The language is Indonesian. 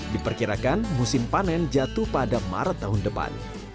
diperkirakan musim panen jatuh pada maret tahun depan